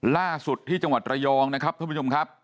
ล่าสุดที่จังหวัดระยองนะครับท่านผู้ชมครับ